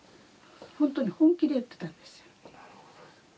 本当に本気で言ってたんですよ。